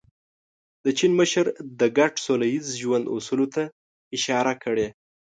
د چین مشر د ګډ سوله ییز ژوند اصولو ته اشاره کړې.